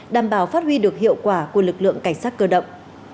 đảm bảo phát huy được hiệu quả của lực lượng cảnh sát cơ động